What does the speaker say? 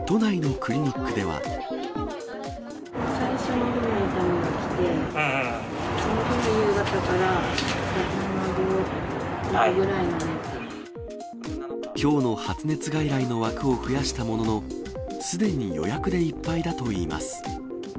最初、のどの痛みがきて、きょうの発熱外来の枠を増やしたものの、すでに予約でいっぱいだといいます。